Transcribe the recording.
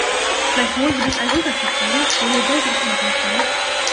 Gleichwohl wird es einen Unterschied geben, den wir geltend machen könnten!